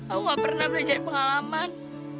aku gak pernah belajar pengalaman